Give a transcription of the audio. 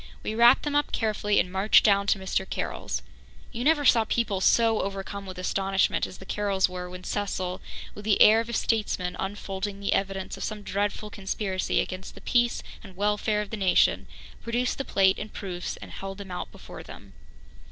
We wrapped them up carefully and marched down to Mr. Carroll's. You never saw people so overcome with astonishment as the Carrolls were when Cecil, with the air of a statesman unfolding the evidence of some dreadful conspiracy against the peace and welfare of the nation, produced the plate and the proofs, and held them out before them.